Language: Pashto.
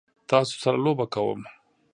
تاسو سره لوبه کوم؟